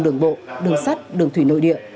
đường bộ đường sắt đường thủy nội địa